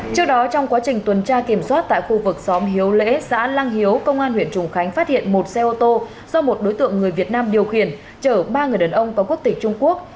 trước đó trong quá trình tuần tra kiểm soát tại khu vực xóm hiếu lễ xã lăng hiếu công an huyện trùng khánh phát hiện một xe ô tô do một đối tượng người việt nam điều khiển chở ba người đàn ông có quốc tịch trung quốc